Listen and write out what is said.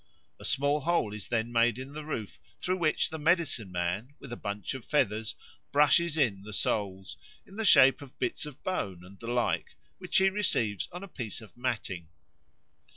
A small hole is then made in the roof, through which the medicine man, with a bunch of feathers, brushes in the souls, in the shape of bits of bone and the like, which he receives on a piece of matting.